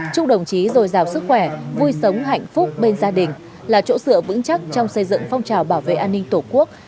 chúc đồng chí dồi dào sức khỏe vui sống hạnh phúc bên gia đình là chỗ dựa vững chắc trong xây dựng phong trào bảo vệ an ninh tổ quốc